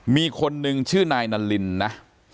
มีคนนึงชื่อนายนารินนะ